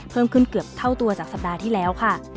เพิ่มขึ้นเกือบเท่าตัวจากสัปดาห์ที่แล้วค่ะ